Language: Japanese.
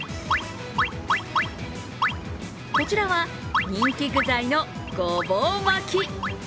こちらは人気具材のごぼう巻。